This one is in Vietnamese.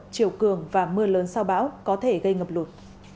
chiều cường và mưa lớn sau bão có thể gây ngập lụt